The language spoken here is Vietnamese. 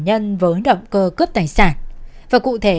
nhân với động cơ cướp tài sản và cụ thể